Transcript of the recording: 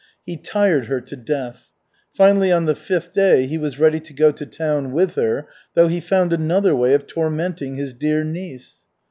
He tired her to death. Finally, on the fifth day, he was ready to go to town with her, though he found another way of tormenting his dear niece.